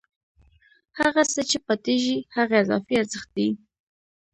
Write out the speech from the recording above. هغه څه چې پاتېږي هغه اضافي ارزښت دی